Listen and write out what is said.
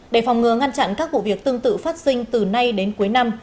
để phòng ngừa ngăn chặn các vụ việc tương tự phát sinh từ nay đến cuối năm